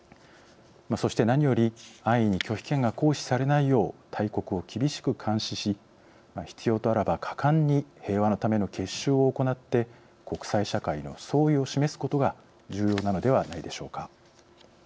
そして何より安易に拒否権が行使されないよう大国を厳しく監視し必要とあらば果敢に平和のための結集を行って国際社会の総意を示すことが重要なのではないでしょうか。